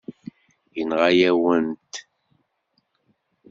Yenɣa-yawen-t.